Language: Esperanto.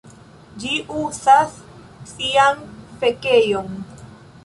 ĝi uzas sian fekejon.